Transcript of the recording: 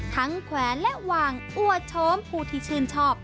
ทั้งแขวนและหว่างอวดชมผู้ที่ชื่นชอบ